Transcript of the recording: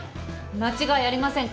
間違いありません。